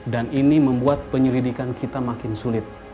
dan ini membuat penyelidikan kita makin sulit